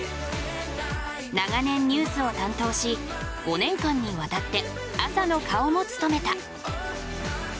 長年ニュースを担当し５年間にわたって朝の顔も務めた。